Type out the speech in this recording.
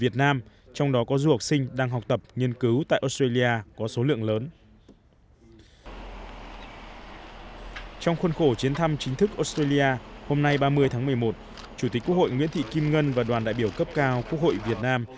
trong khuôn khổ chuyến thăm chính thức australia hôm nay ba mươi tháng một mươi một chủ tịch quốc hội nguyễn thị kim ngân và đoàn đại biểu cấp cao quốc hội việt nam